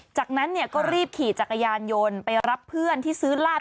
จากนั้นก็รีบขี่จักรยานยนต์ไปรับเพื่อนที่ซื้อลาด